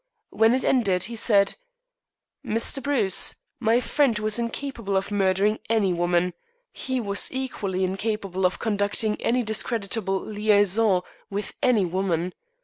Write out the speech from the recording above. When it ended he said: "Mr. Bruce, my friend was incapable of murdering any woman. He was equally incapable of conducting any discreditable liaison with any woman.